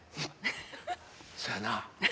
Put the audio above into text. そやな。